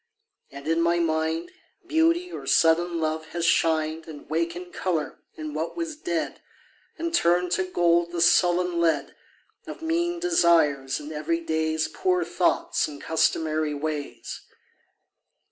And in my mind Beauty or sudden love has shined And wakened colour in what was dead And turned to gold the sullen lead Of mean desires and everyday's Poor thoughts and customary ways.